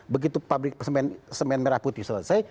begitu pabrik semen merah putih selesai